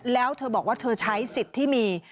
แล้วเธอบอกว่าเธอใช้สิทธิ์ที่มี